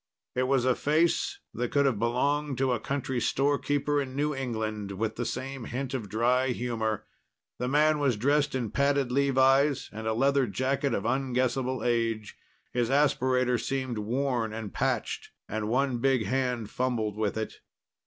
It was a face that could have belonged to a country storekeeper in New England, with the same hint of dry humor. The man was dressed in padded levis and a leather jacket of unguessable age. His aspirator seemed worn and patched, and one big hand fumbled with it.